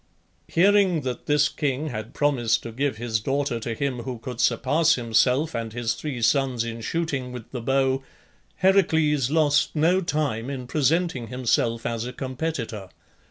Hearing that this king had promised to give his daughter to him who could surpass himself and his three sons in shooting with the bow, Heracles lost no time in presenting himself as a competitor.